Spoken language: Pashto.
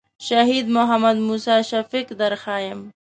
شهید محمد موسی شفیق در ښیم.